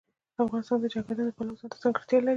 افغانستان د چنګلونه د پلوه ځانته ځانګړتیا لري.